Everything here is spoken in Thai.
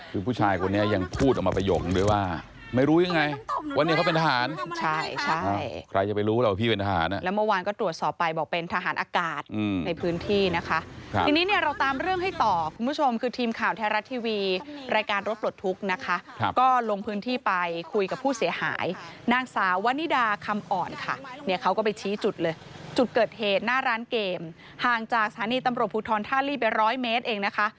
คือผู้ชายคนนี้ยังพูดออกมาประโยคด้วยว่าไม่รู้ยังไงวันนี้เขาเป็นทหารใช่ใช่ใครจะไปรู้แล้วว่าพี่เป็นทหารแล้วเมื่อวานก็ตรวจสอบไปบอกเป็นทหารอากาศในพื้นที่นะคะทีนี้เนี่ยเราตามเรื่องให้ต่อคุณผู้ชมคือทีมข่าวแท้รัฐทีวีรายการรถปลดทุกข์นะคะก็ลงพื้นที่ไปคุยกับผู้เสียหายนางสาววันนิดาคำอ่อนค่ะเน